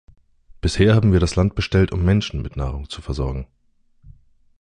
Bisher haben wir das Land bestellt, um Menschen mit Nahrung zu versorgen.